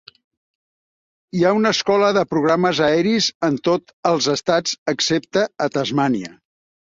Hi ha una escola de programes aeris en tots els estats, excepte a Tasmània.